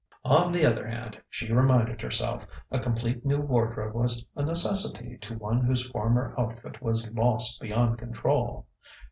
On the other hand, she reminded herself, a complete new wardrobe was a necessity to one whose former outfit was lost beyond recall.